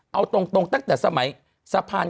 เอาตรงแต่แต่สมัย